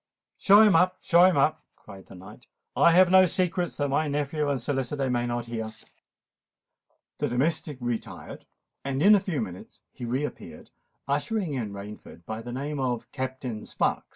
"Show him up—show him up," cried the knight. "I have no secrets that my nephew and solicitor may not hear." The domestic retired; and in a few minutes he re appeared, ushering in Rainford by the name of Captain Sparks.